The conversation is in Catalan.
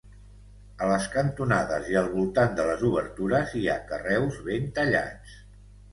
A les cantonades i al voltant de les obertures hi ha carreus ben tallats.